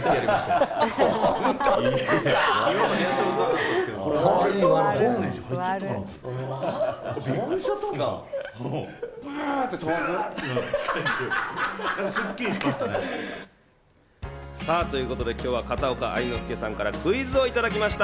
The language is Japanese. かわいいワルだね。ということで、今日は片岡愛之助さんからクイズをいただきました。